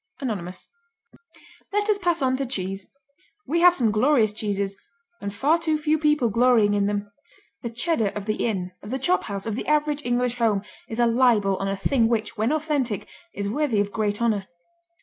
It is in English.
Anonymous Let us pass on to cheese. We have some glorious cheeses, and far too few people glorying in them. The Cheddar of the inn, of the chophouse, of the average English home, is a libel on a thing which, when authentic, is worthy of great honor.